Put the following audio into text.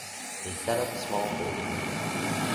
They set up smallholdings.